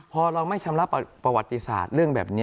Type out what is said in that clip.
พอเราไม่ชำระประวัติศาสตร์เรื่องแบบนี้